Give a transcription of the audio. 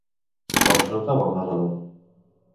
Com es notava el narrador?